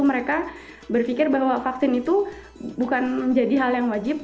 mereka berpikir bahwa vaksin itu bukan menjadi hal yang wajib